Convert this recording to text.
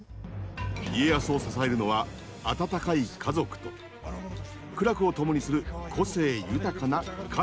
家康を支えるのは温かい家族と苦楽を共にする個性豊かな家臣たち。